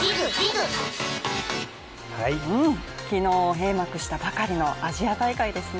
昨日閉幕したばかりのアジア大会ですね。